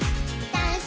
ダンス！